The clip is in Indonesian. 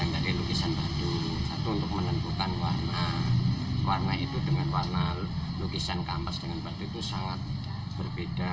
dengan warna lukisan kampas dengan batu itu sangat berbeda